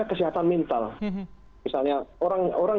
kesehatan mental misalnya orang orang